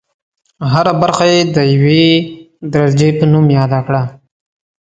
هره برخه یې د یوې درجې په نوم یاده کړه.